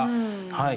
はい。